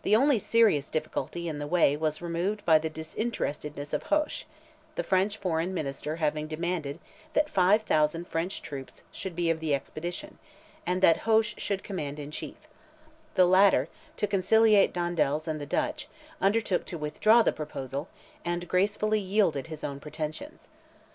The only serious difficulty in the way was removed by the disinterestedness of Hoche; the French Foreign Minister having demanded that 5,000 French troops should be of the expedition, and that Hoche should command in chief; the latter, to conciliate Dandaels and the Dutch, undertook to withdraw the proposal, and gracefully yielded his own pretensions.